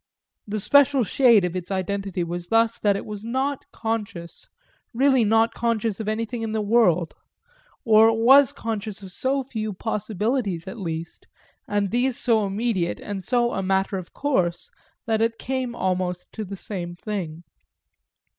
The special shade of its identity was thus that it was not conscious really not conscious of anything in the world; or was conscious of so few possibilities at least, and these so immediate and so a matter of course, that it came almost to the same thing.